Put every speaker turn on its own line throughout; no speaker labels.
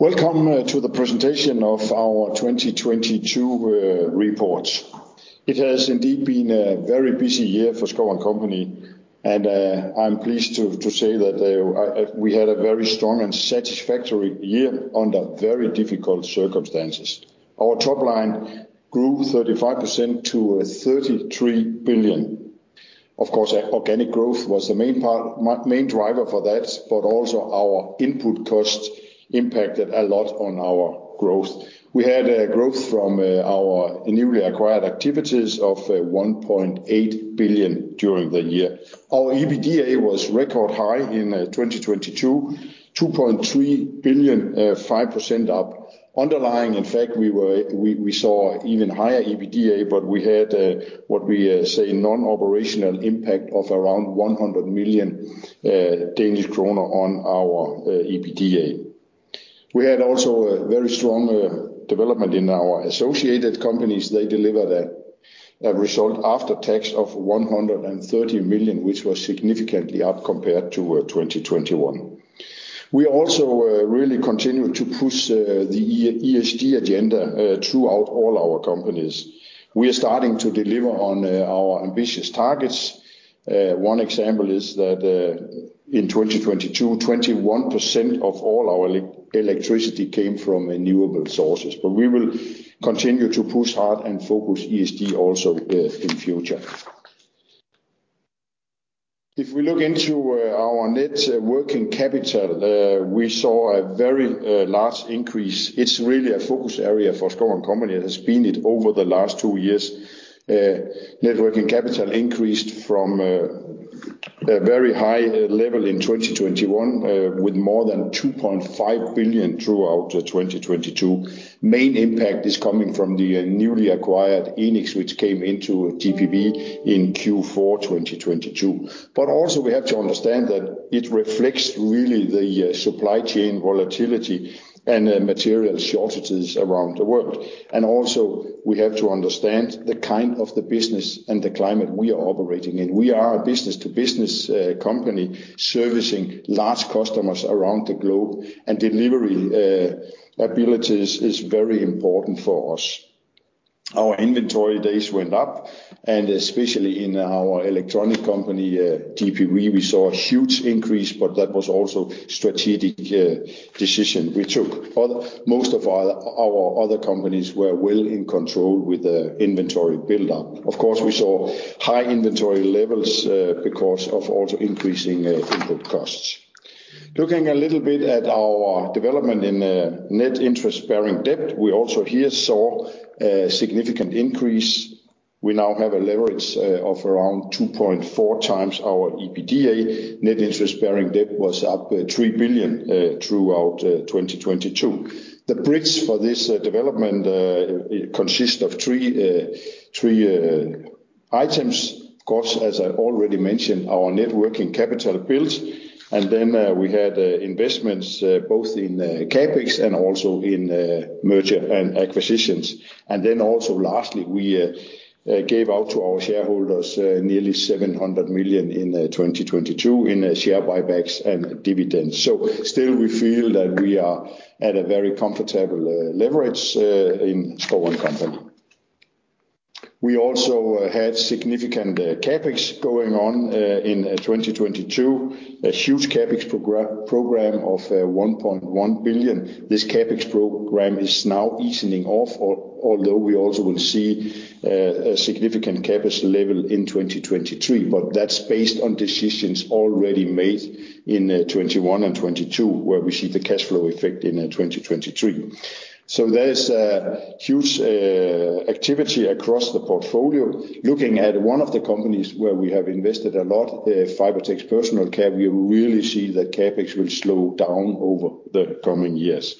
Welcome to the presentation of our 2022 report. It has indeed been a very busy year for Schouw & Co., and I'm pleased to say that we had a very strong and satisfactory year under very difficult circumstances. Our top line grew 35% to 33 billion. Of course, organic growth was the main part, main driver for that, but also our input cost impacted a lot on our growth. We had a growth from our newly acquired activities of 1.8 billion during the year. Our EBITDA was record high in 2022, 2.3 billion, 5% up. Underlying, in fact, we saw even higher EBITDA, but we had what we say non-operational impact of around 100 million Danish kroner on our EBITDA. We had also a very strong development in our associated companies. They delivered a result after tax of 130 million, which was significantly up compared to 2021. We also really continue to push the ESG agenda throughout all our companies. We are starting to deliver on our ambitious targets. One example is that in 2022, 21% of all our electricity came from renewable sources. We will continue to push hard and focus ESG also in future. If we look into our net working capital, we saw a very large increase. It's really a focus area for Schouw & Co. It has been it over the last two years. Net working capital increased from a very high level in 2021, with more than 2.5 billion throughout 2022. Main impact is coming from the newly acquired Enics, which came into GPV in Q4 2022. We have to understand that it reflects really the supply chain volatility and material shortages around the world. We have to understand the kind of the business and the climate we are operating in. We are a business-to-business company servicing large customers around the globe, and delivery abilities is very important for us. Our inventory days went up, and especially in our electronic company, GPV, we saw a huge increase, but that was also strategic decision we took. Most of our other companies were well in control with the inventory buildup. We saw high inventory levels because of also increasing input costs. Looking a little bit at our development in net interest bearing debt, we also here saw a significant increase. We now have a leverage of around 2.4x our EBITDA. Net interest bearing debt was up 3 billion throughout 2022. The bricks for this development consists of three items. As I already mentioned, our net working capital built, and then we had investments both in CapEx and also in mergers and acquisitions. Lastly, we gave out to our shareholders nearly 700 million in 2022 in share buybacks and dividends. Still we feel that we are at a very comfortable leverage in Schouw & Co. We also had significant CapEx going on in 2022, a huge CapEx program of 1.1 billion. This CapEx program is now easing off, although we also will see a significant CapEx level in 2023. That's based on decisions already made in 2021 and 2022, where we see the cash flow effect in 2023. There is huge activity across the portfolio. Looking at one of the companies where we have invested a lot, Fibertex Personal Care, we really see that CapEx will slow down over the coming years.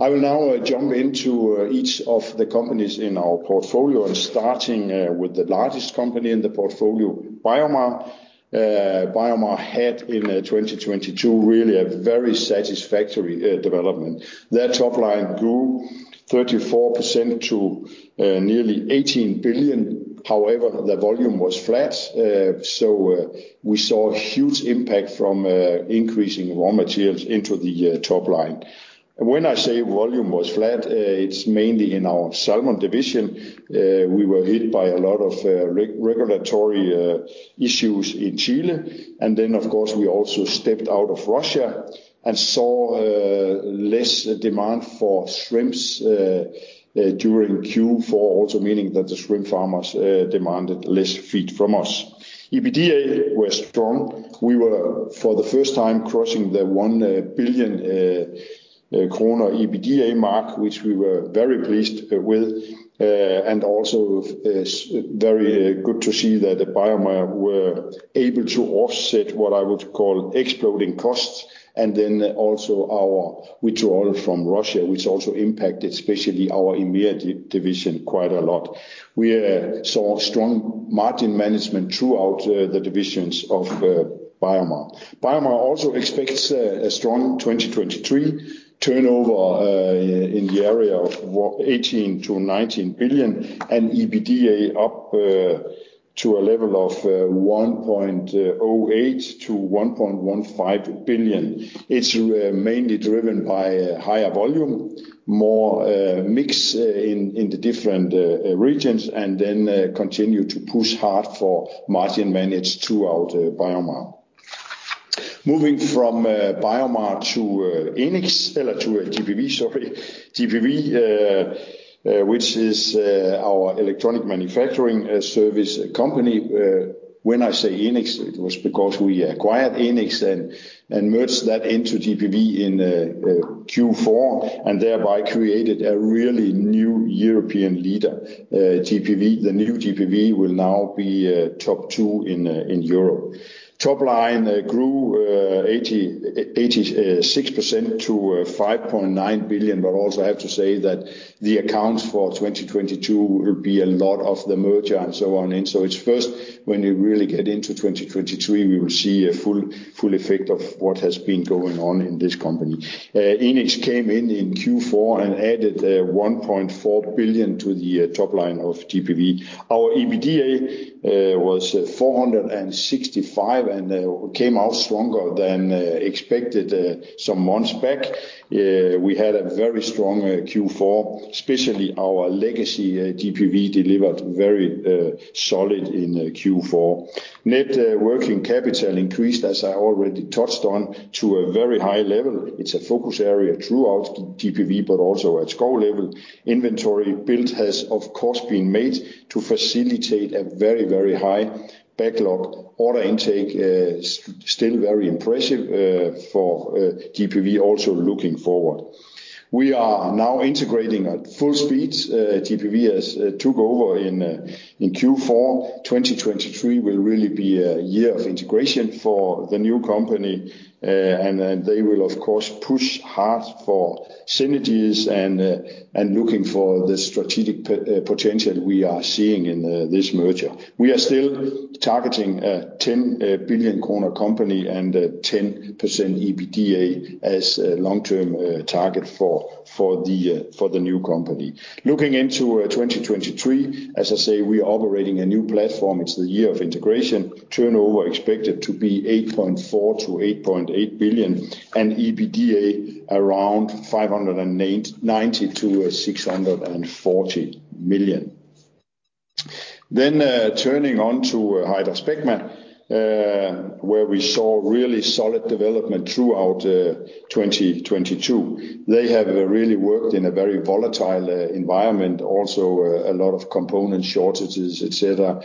I will now jump into each of the companies in our portfolio and starting with the largest company in the portfolio, BioMar. BioMar had in 2022 really a very satisfactory development. Their top line grew 34% to nearly 18 billion. The volume was flat, so we saw a huge impact from increasing raw materials into the top line. When I say volume was flat, it's mainly in our salmon division. We were hit by a lot of regulatory issues in Chile. Of course, we also stepped out of Russia and saw less demand for shrimps during Q4, also meaning that the shrimp farmers demanded less feed from us. EBITDA was strong. We were, for the first time, crossing the 1 billion kroner EBITDA mark, which we were very pleased with. Also is very good to see that BioMar were able to offset what I would call exploding costs, also our withdrawal from Russia, which also impacted especially our EMEA division quite a lot. We saw strong margin management throughout the divisions of BioMar. BioMar also expects a strong 2023 turnover in the area of 18 billion-19 billion and EBITDA up to a level of 1.08 billion-1.15 billion. It's mainly driven by higher volume, more mix in the different regions, continue to push hard for margin management throughout BioMar. Moving from BioMar to Enics, to GPV, sorry. GPV, which is our Electronics Manufacturing Services company. When I say Enics, it was because we acquired Enics and merged that into GPV in Q4, and thereby created a really new European leader, GPV. The new GPV will now be top two in Europe. Top line grew 86% to 5.9 billion, but also I have to say that the accounts for 2022 will be a lot of the merger and so on. It's first when we really get into 2023, we will see a full effect of what has been going on in this company. Enics came in in Q4 and added 1.4 billion to the top line of GPV. Our EBITDA was 465 million, and came out stronger than expected some months back. We had a very strong Q4, especially our legacy GPV delivered very solid in Q4. Net working capital increased, as I already touched on, to a very high level. It's a focus area throughout GPV, but also at Schouw level. Inventory build has, of course, been made to facilitate a very, very high backlog order intake. Still very impressive for GPV also looking forward. We are now integrating at full speed. GPV has took over in Q4. 2023 will really be a year of integration for the new company, and then they will of course push hard for synergies and looking for the strategic potential we are seeing in this merger. We are still targeting a 10 billion kroner company and a 10% EBITDA as a long-term target for the new company. Looking into 2023, as I say, we are operating a new platform. It's the year of integration. Turnover expected to be 8.4 billion-8.8 billion and EBITDA around 590 million-640 million. Turning on to HydraSpecma, where we saw really solid development throughout 2022. They have really worked in a very volatile environment, also a lot of component shortages, et cetera.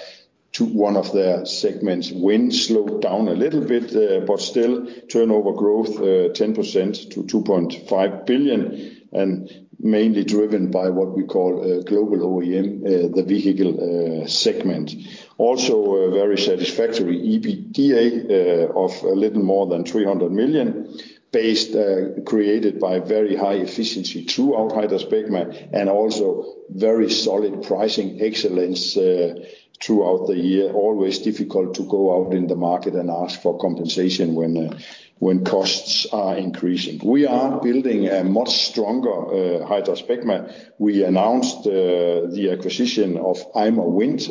To one of their segments, wind slowed down a little bit, but still turnover growth 10% to 2.5 billion and mainly driven by what we call global OEM, the vehicle segment. Also a very satisfactory EBITDA of a little more than 300 million based, created by very high efficiency throughout HydraSpecma and also very solid pricing excellence throughout the year. Always difficult to go out in the market and ask for compensation when costs are increasing. We are building a much stronger HydraSpecma. We announced the acquisition of Ymer Wind,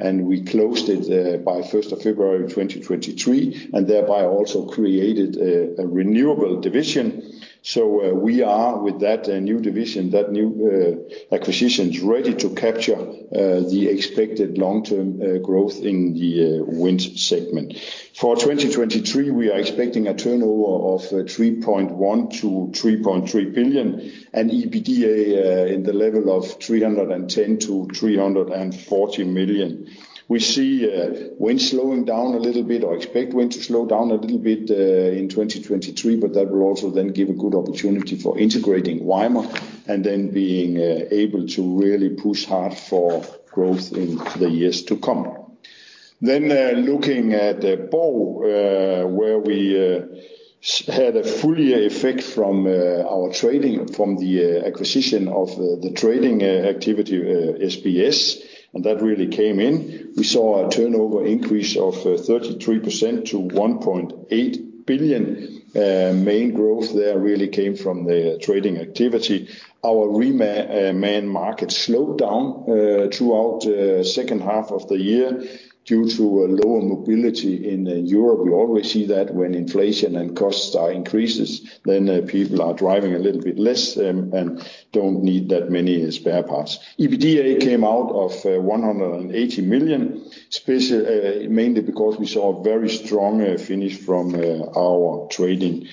and we closed it by February 1, 2023, and thereby also created a renewable division. We are, with that new division, that new acquisitions, ready to capture the expected long-term growth in the wind segment. For 2023, we are expecting a turnover of 3.1 billion-3.3 billion and EBITDA in the level of 310 million-340 million. We see wind slowing down a little bit, or expect wind to slow down a little bit in 2023, but that will also then give a good opportunity for integrating Ymer and then being able to really push hard for growth in the years to come. Looking at Borg, where we had a full year effect from our trading, from the acquisition of the trading activity, SBS, and that really came in. We saw a turnover increase of 33% to 1.8 billion. Main growth there really came from the trading activity. Our reman market slowed down throughout second half of the year due to a lower mobility in Europe. We always see that when inflation and costs are increases, then people are driving a little bit less and don't need that many spare parts. EBITDA came out of 180 million mainly because we saw a very strong finish from our trading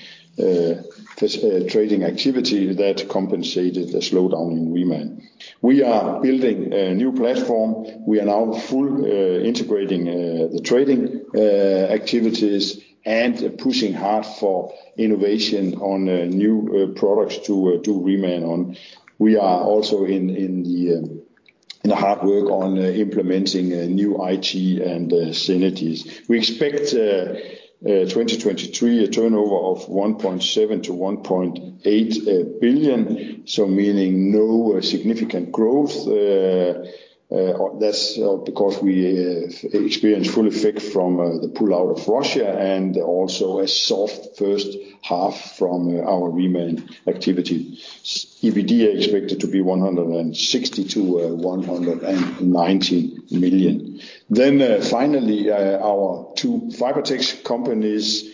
activity that compensated the slowdown in reman. We are building a new platform. We are now full integrating the trading activities and pushing hard for innovation on new products to do reman on. We are also in the hard work on implementing a new IT and synergies. We expect 2023 a turnover of 1.7 billion-1.8 billion, meaning no significant growth. That's because we have experienced full effect from the pull out of Russia and also a soft first half from our reman activity. EBITDA expected to be 160 million-190 million. Finally, our two Fibertex companies,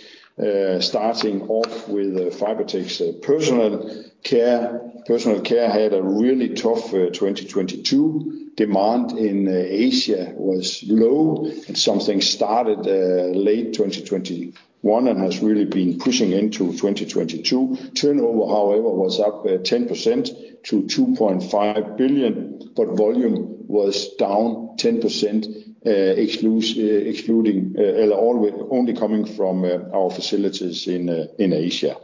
starting off with Fibertex Personal Care. Personal Care had a really tough 2022. Demand in Asia was low, something started late 2021 and has really been pushing into 2022. Turnover, however, was up 10% to 2.5 billion, but volume was down 10%, excluding only coming from our facilities in Asia.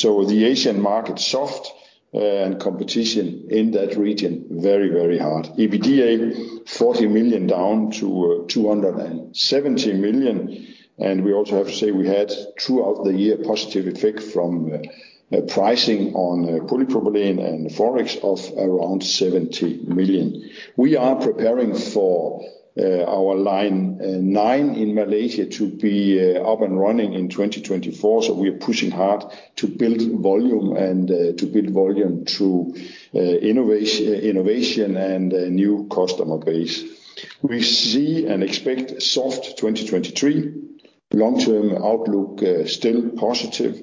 The Asian market soft, and competition in that region very, very hard. EBITDA 40 million down to 270 million, and we also have to say we had, throughout the year, positive effect from pricing on polypropylene and Forex of around 70 million. We are preparing for our line 9 in Malaysia to be up and running in 2024. We are pushing hard to build volume through innovation and a new customer base. We see and expect soft 2023. Long-term outlook still positive.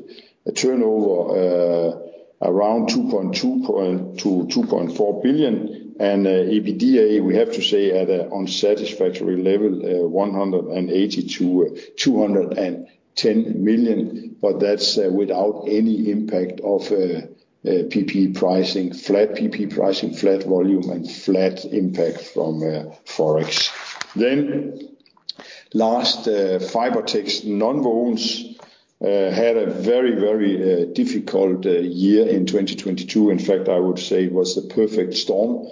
Turnover around 2.2 billion to 2.4 billion. EBITDA, we have to say, at an unsatisfactory level, 180 million-210 million, but that's without any impact of PP pricing, flat PP pricing, flat volume, and flat impact from Forex. Last, Fibertex Nonwovens had a very, very difficult year in 2022. In fact, I would say it was the perfect storm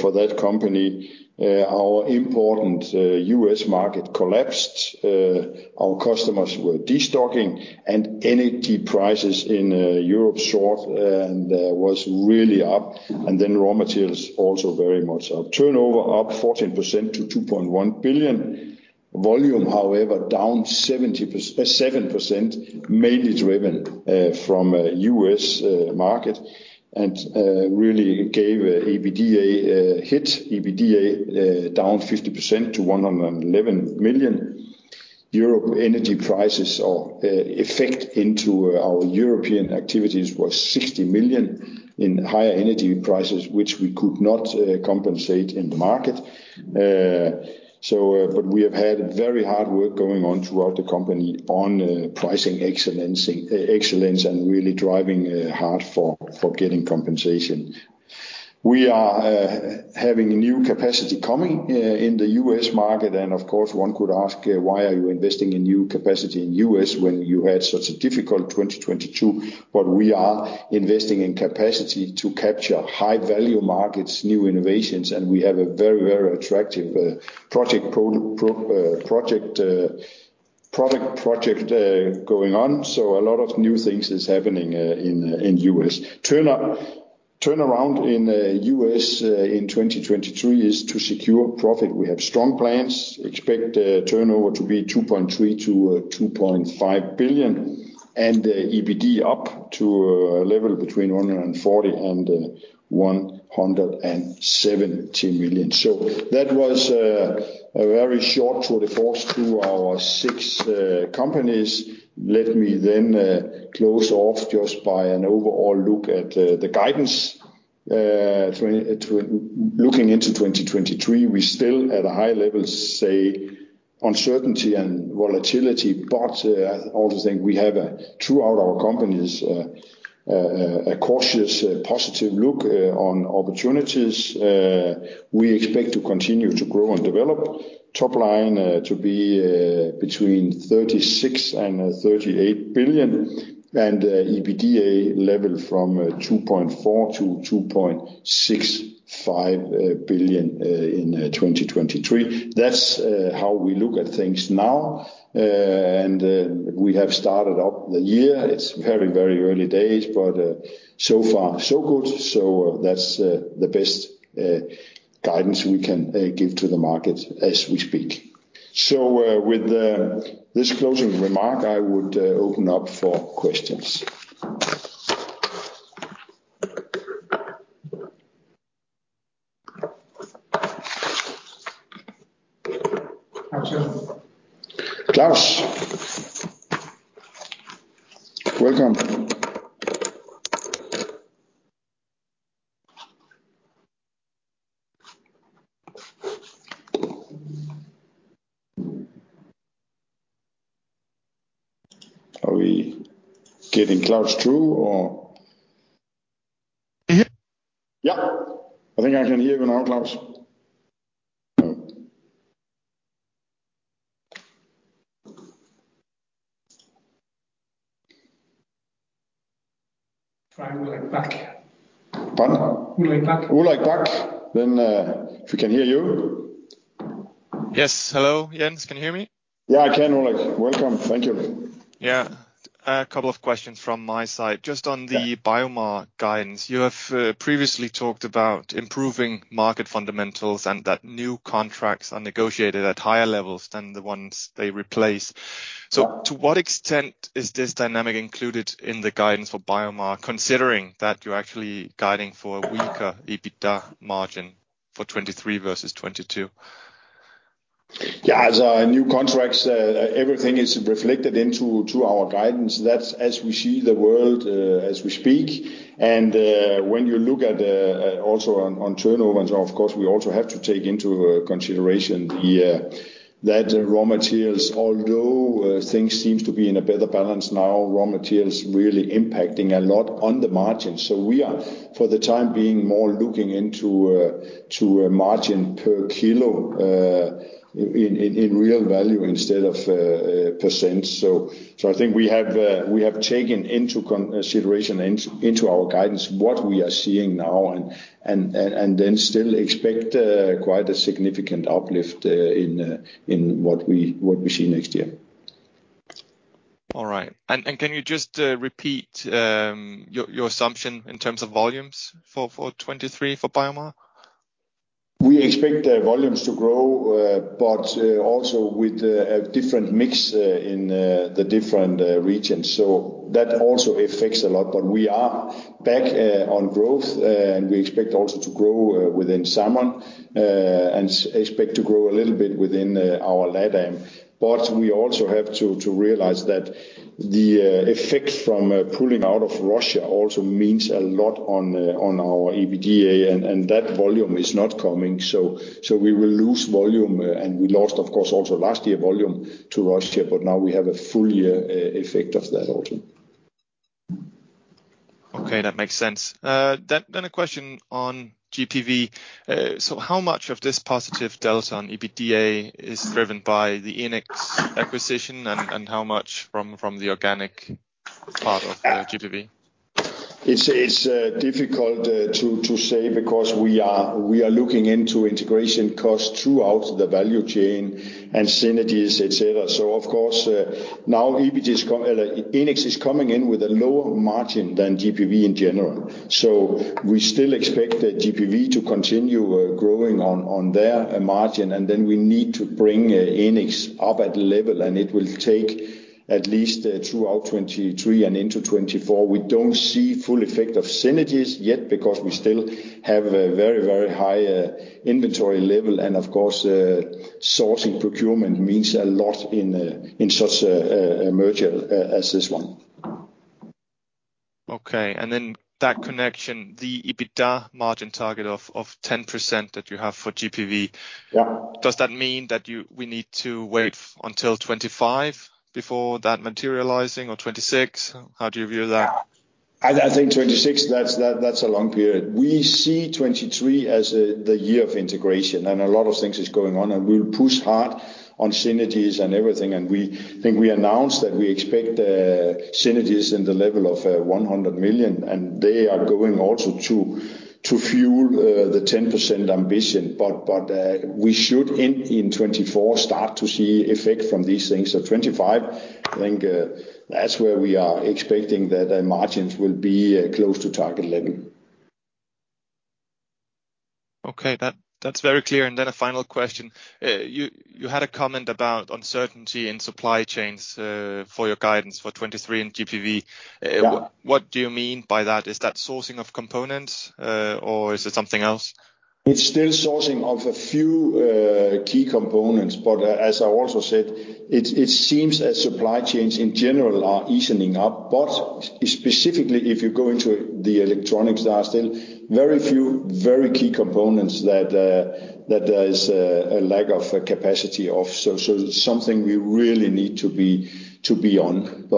for that company. Our important U.S. market collapsed. Our customers were destocking. Energy prices in Europe soared and was really up, and then raw materials also very much up. Turnover up 14% to 2.1 billion. Volume, however, down 7%, mainly driven from U.S. market and really gave EBITDA a hit. EBITDA down 50% to 111 million. Europe energy prices or effect into our European activities was 60 million in higher energy prices, which we could not compensate in the market. We have had very hard work going on throughout the company on pricing excellence and really driving hard for getting compensation. We are having new capacity coming in the U.S. market. Of course, one could ask why are you investing in new capacity in U.S. when you had such a difficult 2022? We are investing in capacity to capture high value markets, new innovations, and we have a very, very attractive project product project going on, so a lot of new things is happening in U.S. Turnaround in U.S. in 2023 is to secure profit. We have strong plans. Expect turnover to be 2.3 billion-2.5 billion, and EBITDA up to a level between 140 million and 170 million. That was a very short tour de force to our six companies. Close off just by an overall look at the guidance. Looking into 2023, we still, at a high level, say uncertainty and volatility, but I also think we have throughout our companies a cautious, positive look on opportunities. We expect to continue to grow and develop. Top line to be between 36 billion and 38 billion. EBITDA level from 2.4 billion-2.65 billion in 2023. That's how we look at things now. We have started up the year. It's very, very early days, but so far so good. That's the best guidance we can give to the market as we speak. With this closing remark, I would open up for questions. Claus. Claus. Welcome. Are we getting Claus through or? Yeah. Try Ulrik Bach. Pardon? Ulrik Bach. Ulrik Bach. If we can hear you.
Yes. Hello. Jens, can you hear me?
Yeah, I can, Ulrik. Welcome. Thank you.
Yeah. A couple of questions from my side. Just on the BioMar guidance, you have previously talked about improving market fundamentals and that new contracts are negotiated at higher levels than the ones they replace. To what extent is this dynamic included in the guidance for BioMar, considering that you're actually guiding for a weaker EBITDA margin for 2023 versus 2022?
Yeah. As new contracts, everything is reflected into our guidance. That's as we see the world as we speak. When you look at the also on turnovers, of course, we also have to take into consideration the that raw materials. Although things seems to be in a better balance now, raw materials really impacting a lot on the margins. We are, for the time being, more looking into to a margin per kilo in real value instead of %. I think we have taken into consideration and into our guidance what we are seeing now and then still expect quite a significant uplift in what we see next year.
All right. Can you just repeat your assumption in terms of volumes for 23 for BioMar?
We expect the volumes to grow, but also with a different mix in the different regions. That also affects a lot. We are back on growth, and we expect also to grow within salmon, and expect to grow a little bit within our LATAM. We also have to realize that the effect from pulling out of Russia also means a lot on on our EBITDA, and that volume is not coming. We will lose volume. We lost, of course, also last year volume to Russia, but now we have a full year effect of that also.
Okay, that makes sense. Then a question on GPV. How much of this positive delta on EBITDA is driven by the Enics acquisition and how much from the organic part of GPV?
It's difficult to say because we are looking into integration costs throughout the value chain and synergies, et cetera. Of course, now Enics is coming in with a lower margin than GPV in general. We still expect the GPV to continue growing on their margin, and then we need to bring Enics up at level, and it will take at least throughout 2023 and into 2024. We don't see full effect of synergies yet because we still have a very high inventory level. Of course, sourcing procurement means a lot in such a merger as this one.
Okay. That connection, the EBITDA margin target of 10% that you have for GPV. Does that mean that we need to wait until 2025 before that materializing or 2026? How do you view that?
I think 2026, that's a long period. We see 2023 as the year of integration and a lot of things is going on, and we'll push hard on synergies and everything. We think we announced that we expect synergies in the level of 100 million, and they are going also to fuel the 10% ambition. We should end in 2024 start to see effect from these things. 2025, I think, that's where we are expecting that the margins will be close to target level.
Okay. That's very clear. A final question. You had a comment about uncertainty in supply chains for your guidance for 2023 in GPV. What do you mean by that? Is that sourcing of components, or is it something else?
It's still sourcing of a few key components. As I also said, it seems as supply chains in general are easing up. Specifically if you go into the electronics, there are still very few, very key components that there is a lack of capacity of. It's something we really need to be on.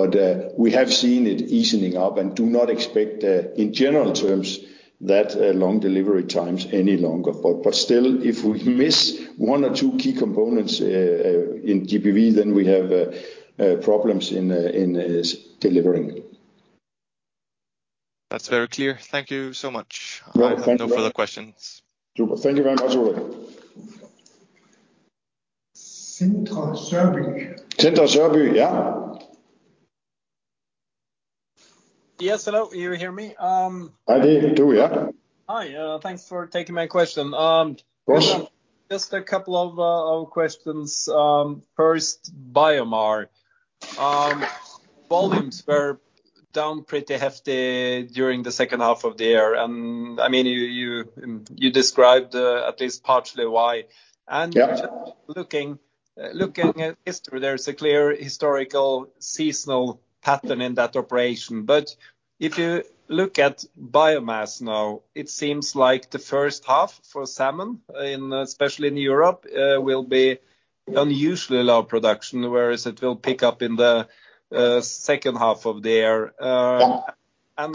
We have seen it easing up and do not expect in general terms that long delivery times any longer. Still, if we miss one or two key components in GPV, then we have problems in this delivering.
That's very clear. Thank you so much.
Right. Thank you.
I have no further questions.
Super. Thank you very much, Ulrik.
Sindre Sørbye. Yes. Hello. You hear me?
I do, yeah.
Hi. Thanks for taking my question.
Of course.
Just a couple of questions. First, BioMar. Volumes were down pretty hefty during the second half of the year. I mean, you described, at least partially why. Just looking at history, there's a clear historical seasonal pattern in that operation. If you look at BioMar now, it seems like the first half for salmon in, especially in Europe, will be unusually low production, whereas it will pick up in the second half of the year.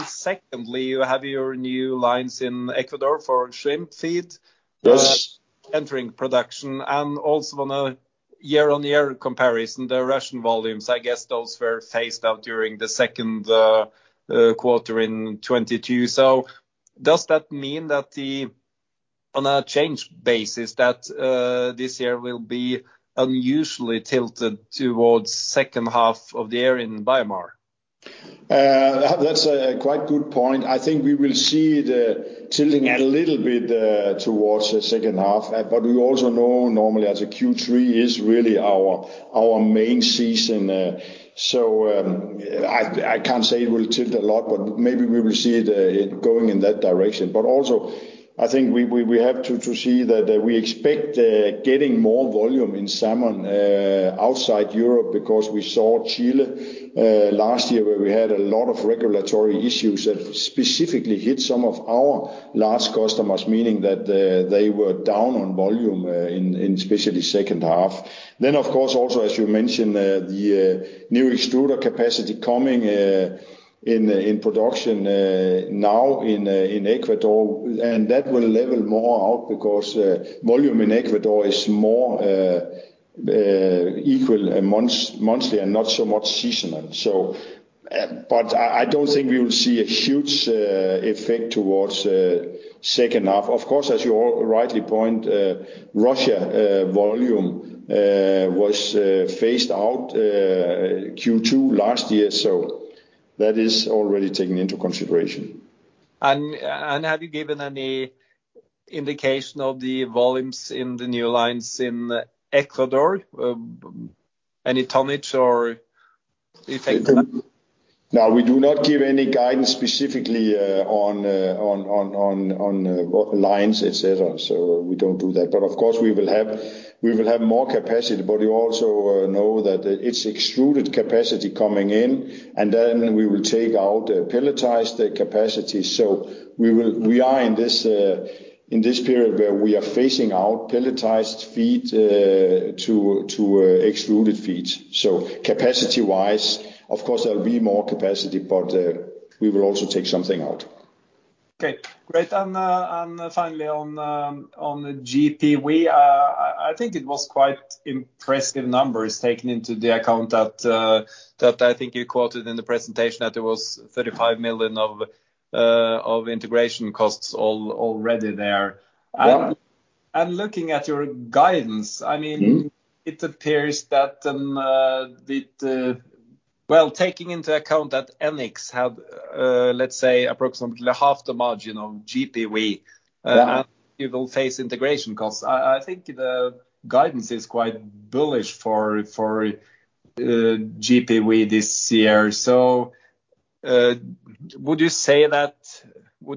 Secondly, you have your new lines in Ecuador for shrimp feed.
Yes.
Entering production. Also on a year-on-year comparison, the Russian volumes, I guess those were phased out during the second quarter in 2022. Does that mean that the... on a change basis that this year will be unusually tilted towards second half of the year in BioMar?
That's a quite good point. I think we will see the tilting a little bit towards the second half. We also know normally as a Q3 is really our main season, so I can't say it will tilt a lot, but maybe we will see it going in that direction. Also, I think we have to see that we expect getting more volume in salmon outside Europe because we saw Chile last year where we had a lot of regulatory issues that specifically hit some of our large customers. Meaning that, they were down on volume in especially second half. Of course also, as you mentioned, the new extruder capacity coming in in production now in Ecuador. That will level more out because volume in Ecuador is more equal and months-monthly and not so much seasonal. But I don't think we will see a huge effect towards second half. Of course, as you all rightly point, Russia volume was phased out Q2 last year, so that is already taken into consideration.
Have you given any indication of the volumes in the new lines in Ecuador? Any tonnage or effect of that?
No, we do not give any guidance specifically on lines, et cetera. We don't do that. Of course, we will have more capacity, but we also know that it's extruded capacity coming in, and then we will take out pelletized capacity. We are in this period where we are phasing out pelletized feed to extruded feed. Capacity-wise, of course there will be more capacity, but we will also take something out.
Okay. Great. Finally on the GPV, I think it was quite impressive numbers taken into the account that I think you quoted in the presentation that there was 35 million of integration costs already there. Looking at your guidance, I mean. It appears that, Well, taking into account that Enics had, let's say approximately half the margin of GPV. It will face integration costs. I think the guidance is quite bullish for GPV this year. Would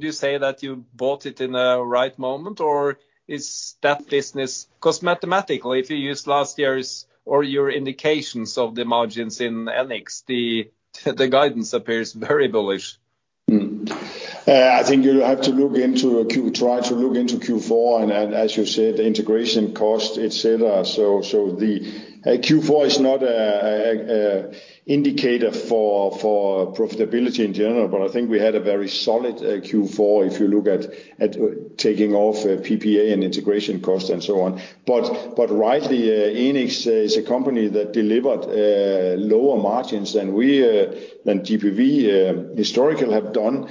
you say that you bought it in the right moment, or is that business? Mathematically, if you use last year's or your indications of the margins in Enics, the guidance appears very bullish.
I think you'll have to try to look into Q4, and as you said, the integration cost, et cetera. Q4 is not a indicator for profitability in general, but I think we had a very solid Q4 if you look at taking off PPA and integration costs, and so on. rightly, Enics is a company that delivered lower margins than we than GPV historically have done.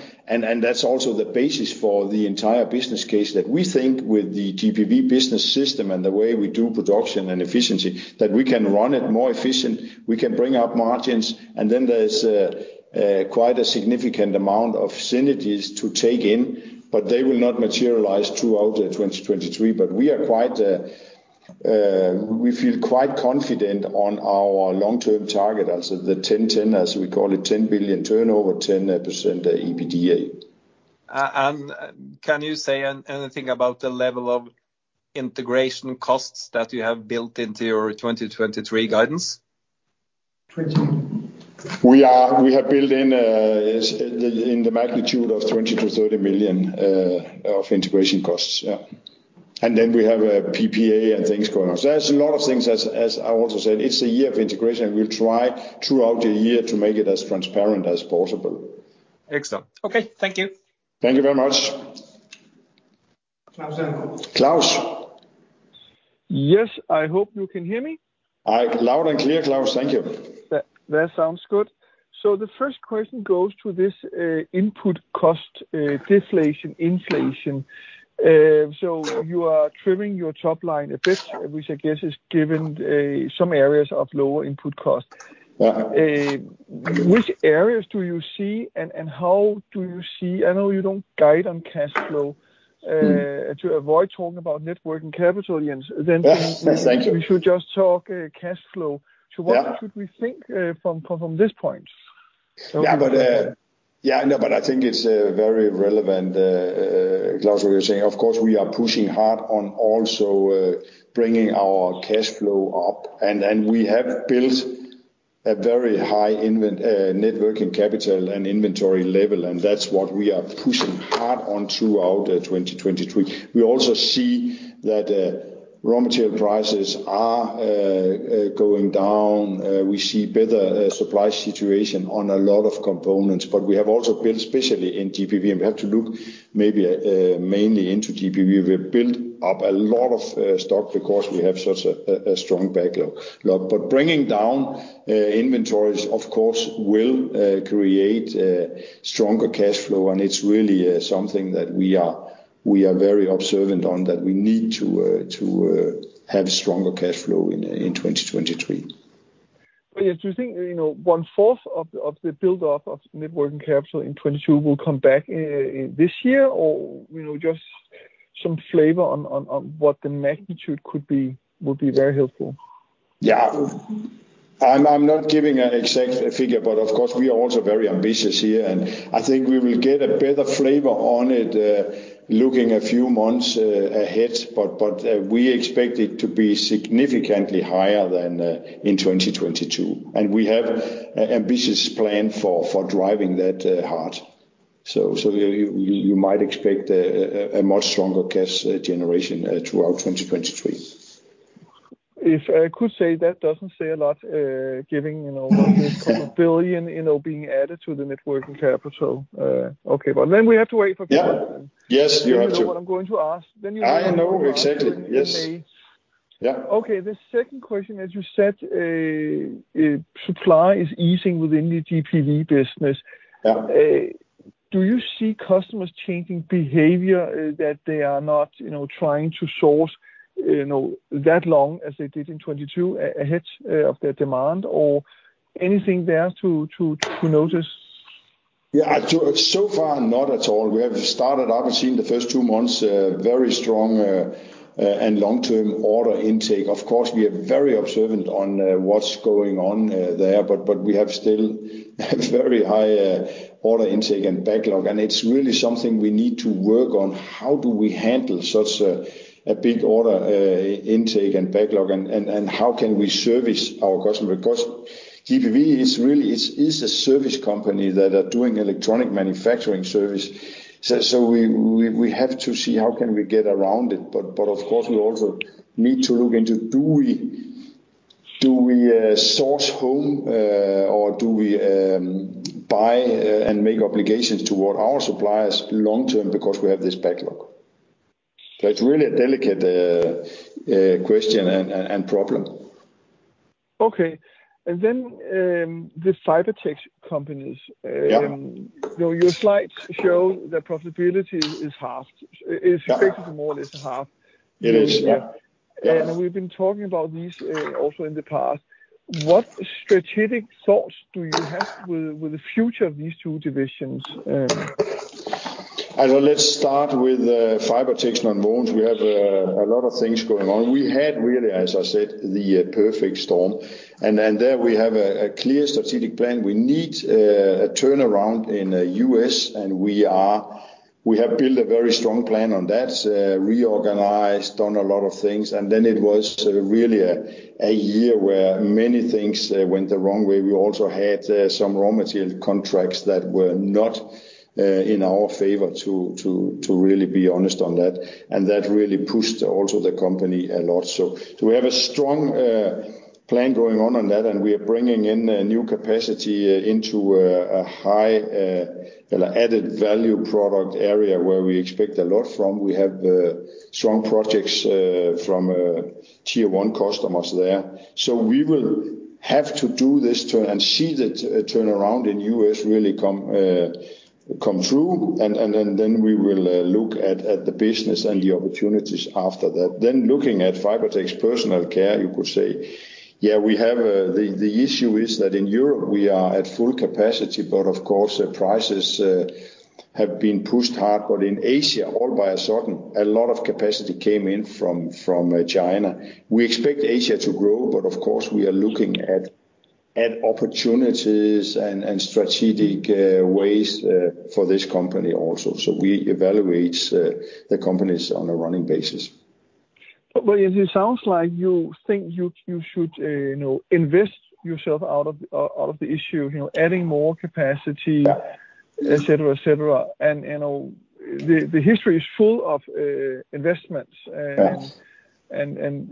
that's also the basis for the entire business case that we think with the GPV business system and the way we do production and efficiency, that we can run it more efficient, we can bring up margins, and then there's quite a significant amount of synergies to take in, but they will not materialize throughout 2023. We feel quite confident on our long-term target, as the 10/10, as we call it, 10 billion turnover, 10% EBITDA.
can you say anything about the level of integration costs that you have built into your 2023 guidance?
We have built in in the magnitude of 20 million-30 million of integration costs. Then we have a PPA and things going on. That's a lot of things as I also said, it's a year of integration. We'll try throughout the year to make it as transparent as possible.
Excellent. Okay. Thank you.
Thank you very much. Klaus.
Yes. I hope you can hear me.
Loud and clear, Klaus. Thank you.
That sounds good. The first question goes to this input cost deflation, inflation. You are trimming your top line a bit, which I guess is given some areas of lower input cost. Which areas do you see and I know you don't guide on cash flow to avoid talking about net working capital, Jens?
Yes. Thank you.
Maybe we should just talk, cash flow. What should we think, from this point?
Yeah. Yeah, no, but I think it's very relevant, Klaus, what you're saying. Of course, we are pushing hard on also bringing our cash flow up. We have built a very high net working capital and inventory level, and that's what we are pushing hard on throughout 2023. We also see that raw material prices are going down. We see better supply situation on a lot of components, but we have also built, especially in GPV, and we have to look maybe mainly into GPV. We've built up a lot of stock because we have such a strong backlog. Bringing down inventories, of course, will create stronger cash flow, and it's really something that we are very observant on that. We need to have stronger cash flow in 2023.
You think, you know, one-fourth of the build-up of net working capital in 22 will come back this year or, you know, just some flavor on what the magnitude could be would be very helpful.
Yeah. I'm not giving an exact figure, but of course we are also very ambitious here, and I think we will get a better flavor on it, looking a few months ahead. We expect it to be significantly higher than in 2022. We have an ambitious plan for driving that hard. You might expect a much stronger cash generation throughout 2023.
If I could say that doesn't say a lot, giving 1 billion, you know, being added to the net working capital. Okay, we have to wait for.
Yeah. Yes, you have to.
You know what I'm going to ask then.
I know, exactly. Yes.
May. Okay. The second question, as you said, supply is easing within the GPV business. Do you see customers changing behavior, that they are not, you know, trying to source, you know, that long as they did in 22 ahead, of their demand or anything there to notice?
I do. So far, not at all. We have started up and seen the first two months, very strong, and long-term order intake. Of course, we are very observant on what's going on there, we have still very high order intake and backlog, and it's really something we need to work on. How do we handle such a big order intake and backlog, how can we service our customer? Because GPV is really is a service company that are doing Electronics Manufacturing Service. We have to see how can we get around it. Of course, we also need to look into do we source home or do we buy and make obligations toward our suppliers long term because we have this backlog? It's really a delicate question and problem.
Okay. Then, the Fibertex companies. You know, your slides show that profitability is half. Is expected to more or less half.
It is, yeah. Yeah.
We've been talking about these, also in the past. What strategic thoughts do you have with the future of these two divisions?
I know let's start with Fibertex Nonwovens. We have a lot of things going on. We had really, as I said, the perfect storm. There we have a clear strategic plan. We need a turnaround in U.S., and we have built a very strong plan on that, reorganized, done a lot of things, and then it was really a year where many things went the wrong way. We also had some raw material contracts that were not in our favor to really be honest on that. That really pushed also the company a lot. We have a strong plan going on on that, and we are bringing in a new capacity into a high added value product area where we expect a lot from. We have strong projects from Tier 1 customers there. We will have to do this turn and see the turnaround in US really come through, and then we will look at the business and the opportunities after that. Looking at Fibertex Personal Care, you could say, yeah, we have the issue is that in Europe we are at full capacity, but of course, the prices have been pushed hard. In Asia, all by a sudden, a lot of capacity came in from China. We expect Asia to grow, but of course, we are looking at opportunities and strategic ways for this company also. We evaluate the companies on a running basis.
It sounds like you think you should, you know, invest yourself out of, out of the issue, you know, adding more capacity et cetera, et cetera. You know, the history is full of investments and-
Yes.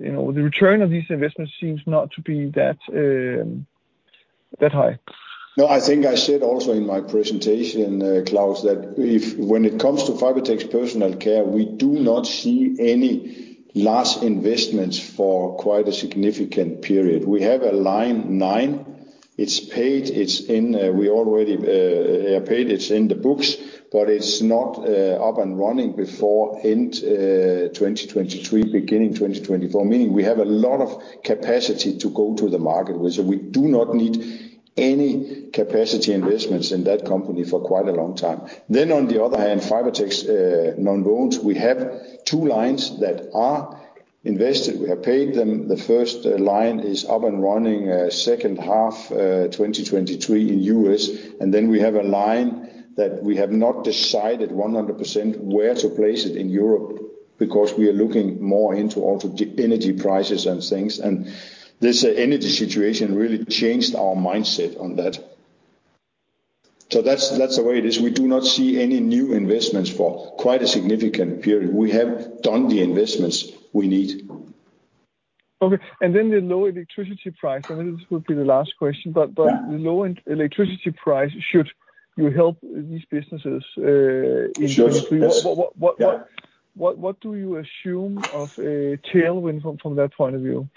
You know, the return of these investments seems not to be that high.
No, I think I said also in my presentation, Klaus, that if when it comes to Fibertex Personal Care, we do not see any large investments for quite a significant period. We have a line 9. It's paid, it's in, we already paid, it's in the books, but it's not up and running before end 2023, beginning 2024, meaning we have a lot of capacity to go to the market with. We do not need any capacity investments in that company for quite a long time. On the other hand, Fibertex Nonwovens, we have 2 lines that are invested. We have paid them. The first line is up and running second half 2023 in U.S. We have a line that we have not decided 100% where to place it in Europe because we are looking more into also the energy prices and things. This energy situation really changed our mindset on that. That's, that's the way it is. We do not see any new investments for quite a significant period. We have done the investments we need.
Okay. The low electricity price, and this will be the last question. The low electricity price should, you know, help these businesses.
Should, yes.
What do you assume of a tailwind from that point of view?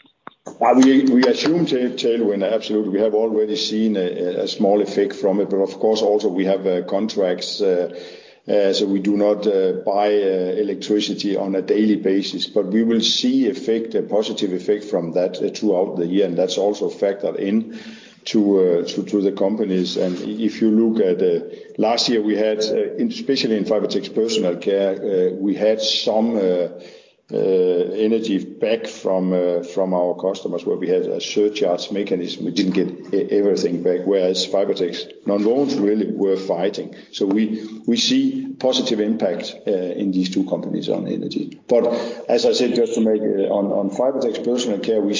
Well, we assume tailwind, absolutely. We have already seen a small effect from it, but of course also we have contracts, so we do not buy electricity on a daily basis. We will see effect, a positive effect from that throughout the year, and that's also factored in to the companies. If you look at last year we had in especially in Fibertex Personal Care, we had some energy back from our customers where we had a surcharges mechanism. We didn't get everything back, whereas Fibertex Nonwovens really were fighting. We see positive impact in these two companies on energy. As I said, just to make on Fibertex Personal Care, we.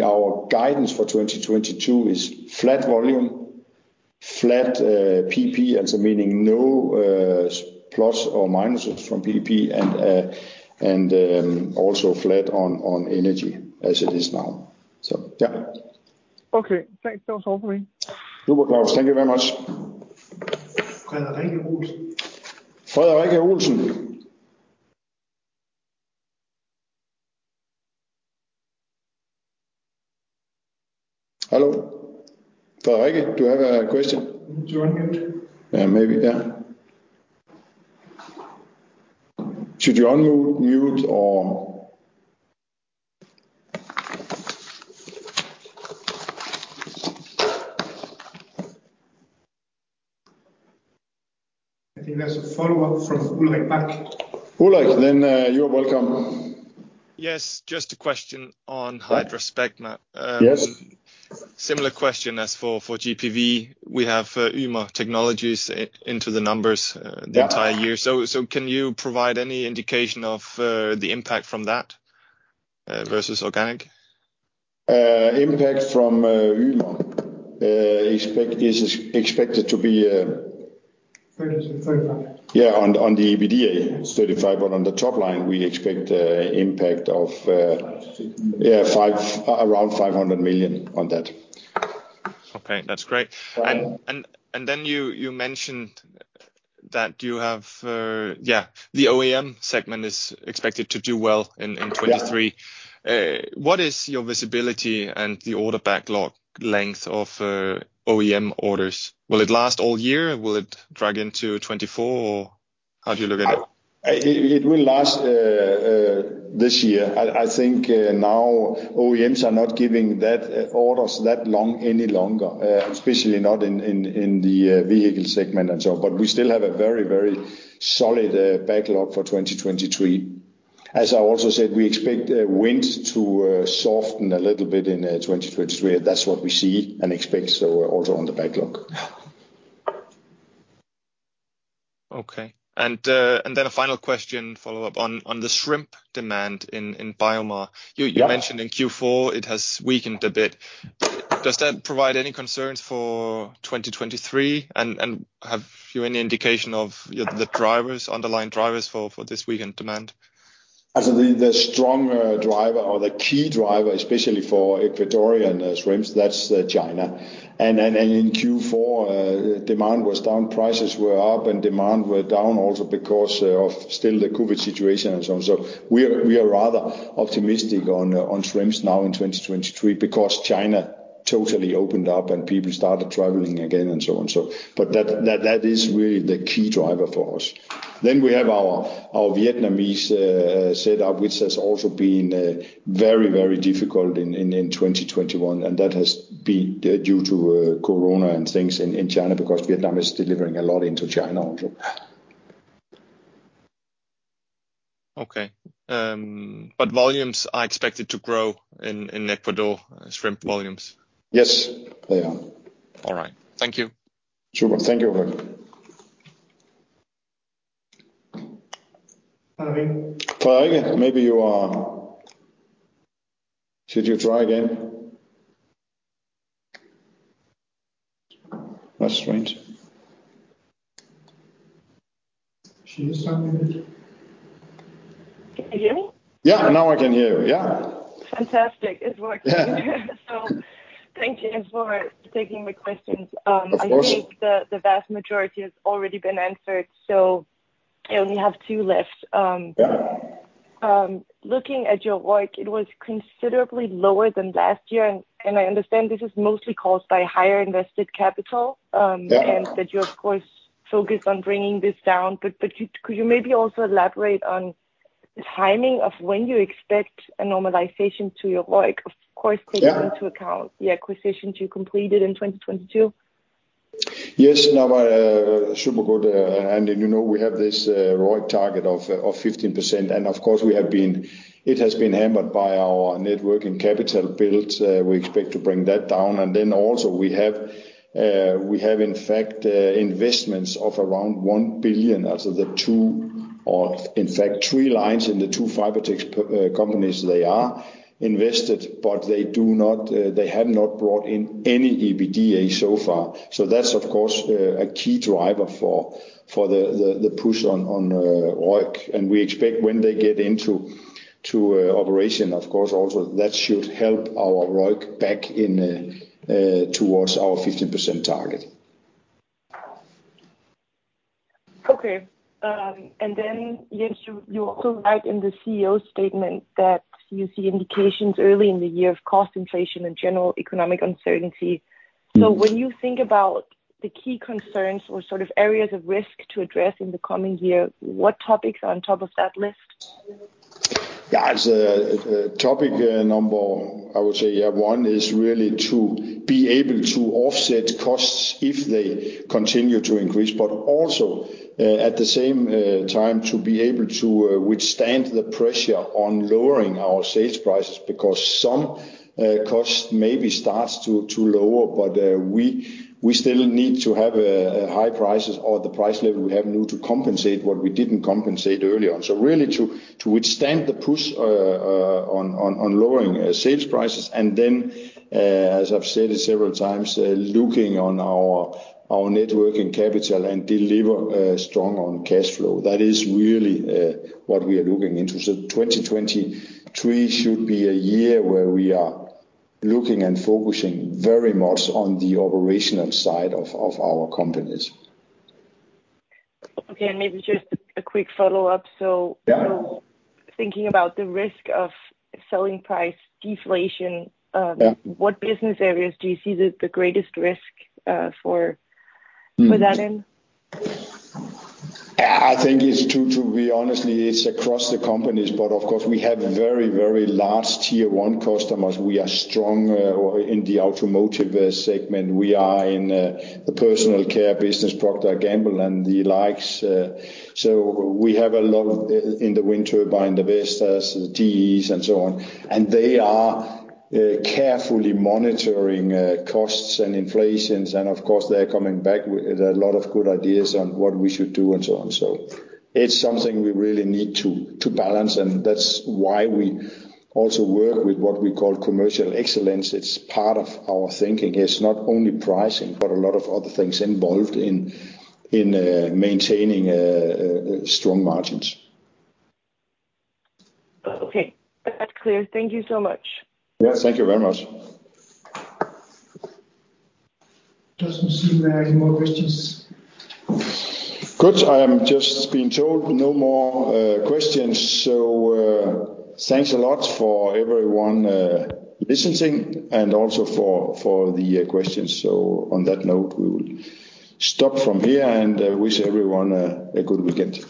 Our guidance for 2022 is flat volume, flat PP, and so meaning no plus or minuses from PP, and also flat on energy as it is now. Yeah.
Okay, thanks. That was all for me.
Super, Claus. Thank you very much. Frederikke Olsen. Hello? Frederikke, do you have a question? You need to unmute. Maybe, yeah. Should you unmute, mute, or, I think that's a follow-up from Ulrik Bach. Ulrik, you're welcome.
Yes. Just a question on HydraSpecma.
Yes.
Similar question as for GPV. We have Ymer Technology into the numbers the entire year. Can you provide any indication of the impact from that versus organic?
Impact from Ymer expected to be 30 million-35 million. Yeah, on the EBITDA, it's 35 million, but on the top line we expect impact of 5 million-6 million, around 500 million on that.
Okay, that's great. You mentioned that you have, yeah, the OEM segment is expected to do well in 2023. What is your visibility and the order backlog length of OEM orders? Will it last all year? Will it drag into 2024, or how do you look at it?
It will last this year. I think now OEMs are not giving that orders that long any longer, especially not in the vehicle segment and so on. We still have a very solid backlog for 2023. As I also said, we expect wind to soften a little bit in 2023. That's what we see and expect, also on the backlog.
Okay. A final question, follow-up on the shrimp demand in BioMar. You mentioned in Q4 it has weakened a bit. Does that provide any concerns for 2023? Have you any indication of the drivers, underlying drivers for this weakened demand?
The strong driver or the key driver, especially for Ecuadorian shrimps, that's China. In Q4, demand was down, prices were up, and demand were down also because of still the COVID situation and so on. We are rather optimistic on shrimps now in 2023 because China totally opened up and people started traveling again and so on. That is really the key driver for us. We have our Vietnamese setup, which has also been very difficult in 2021, and that has been due to corona and things in China because Vietnam is delivering a lot into China also.
Okay. volumes are expected to grow in Ecuador, shrimp volumes?
Yes, they are.
All right. Thank you.
Super. Thank you, Ulrik. Karine. Karine, maybe you are. Should you try again? That's strange. She is somewhere.
Can you hear me?
Yeah, now I can hear you. Yeah.
Fantastic. It's working. Thank you for taking the questions.
Of course.
I think the vast majority has already been answered, so I only have two left. Looking at your ROIC, it was considerably lower than last year. I understand this is mostly caused by higher invested capital. That you of course focus on bringing this down. But, could you maybe also elaborate on the timing of when you expect a normalization to your ROIC? Taking into account the acquisitions you completed in 2022.
Yes, now I super good ending. You know, we have this ROIC target of 15%. Of course we have been. It has been hammered by our net working capital build. We expect to bring that down. Then also we have, we have in fact, investments of around 1 billion. So the two, or in fact three lines in the two Fibertex companies, they are invested, but they do not, they have not brought in any EBITDA so far. That's of course a key driver for the, the push on ROIC. We expect when they get into, to operation, of course also that should help our ROIC back in towards our 15% target.
Okay. Yes, you also write in the CEO statement that you see indications early in the year of cost inflation and general economic uncertainty. When you think about the key concerns or sort of areas of risk to address in the coming year, what topics are on top of that list?
As a topic, number, I would say, one is really to be able to offset costs if they continue to increase, but also, at the same time, to be able to withstand the pressure on lowering our sales prices because some costs maybe starts to lower. We still need to have a high prices or the price level we have now to compensate what we didn't compensate earlier on. Really to withstand the push on lowering sales prices and then, as I've said it several times, looking on our net working capital and deliver strong on cashflow. That is really what we are looking into. 2023 should be a year where we are looking and focusing very much on the operational side of our companies.
Okay. Maybe just a quick follow-up. Thinking about the risk of selling price deflation. What business areas do you see the greatest risk, for that in?
I think it's to be honestly, it's across the companies, but of course we have very, very large tier one customers. We are strong in the automotive segment. We are in the personal care business, Procter & Gamble and the likes. We have a lot in the wind turbine, the Vestas, the GE and so on. They are carefully monitoring costs and inflations, and of course, they're coming back with a lot of good ideas on what we should do and so on. It's something we really need to balance, and that's why we also work with what we call commercial excellence. It's part of our thinking. It's not only pricing, but a lot of other things involved in maintaining strong margins.
Okay. That's clear. Thank you so much.
Yeah. Thank you very much.
Doesn't seem there are any more questions.
Good. I am just being told no more questions. Thanks a lot for everyone listening and also for the questions. On that note, we will stop from here and wish everyone a good weekend.